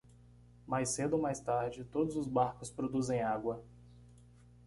Mais cedo ou mais tarde, todos os barcos produzem água.